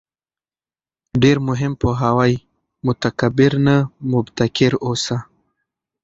ډېر مهم پوهاوی: متکبِّر نه، مُبتَکِر اوسه